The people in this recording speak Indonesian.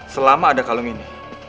selama ada kalung ini